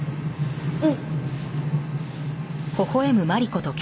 うん。